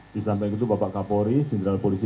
disamping itu bapak kapolri jenderal polisi